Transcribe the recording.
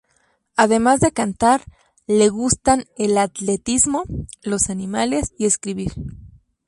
Además de cantar, le gustan el atletismo, los animales y escribir.